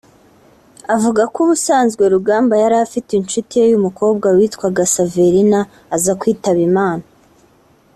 Avuga ko ubusanzwe Rugamba yari afite inshuti ye y’umukobwa yitwaga Saverina aza kwitaba Imana